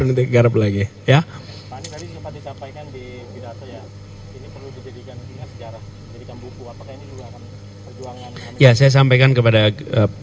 pak anies tadi sempat dicapain kan di pilato ya ini perlu dijadikan sejarah jadikan buku apakah ini juga akan perjuangan